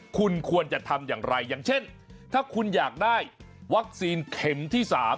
คุณควรจะทำอย่างไรอย่างเช่นถ้าคุณอยากได้วัคซีนเข็มที่๓